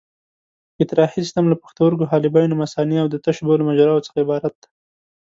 اطراحي سیستم له پښتورګو، حالبینو، مثانې او د تشو بولو مجراوو څخه عبارت دی.